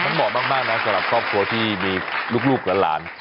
ฉันบอกมากนะสำหรับครอบครัวที่มีลูกและหลาน